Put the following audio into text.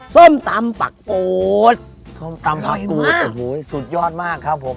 ส้มตำปากปูดส้มตำปากปูดอร่อยมากโอ้โหสุดยอดมากครับผม